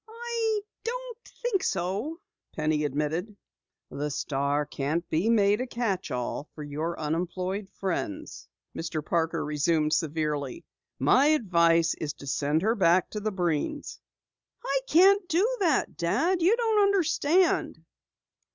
"I don't think so," Penny admitted. "The Star can't be made a catch all for your unemployed friends," Mr. Parker resumed severely. "My advice is to send her back to the Breens." "I can't do that, Dad. You don't understand."